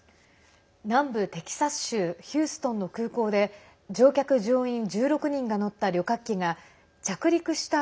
南部テキサス州ヒューストンの空港で乗客・乗員１６人が乗った旅客機が着陸した